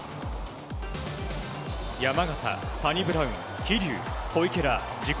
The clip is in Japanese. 山縣、サニブラウン桐生、小池ら自己